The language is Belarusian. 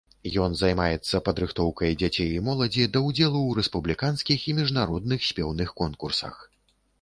Ён займаецца падрыхтоўкай дзяцей і моладзі да ўдзелу ў рэспубліканскіх і міжнародных спеўных конкурсах.